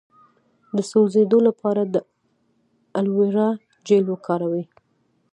د سوځیدو لپاره د الوویرا جیل وکاروئ